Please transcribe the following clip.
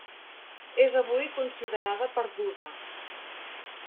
És avui considerada perduda.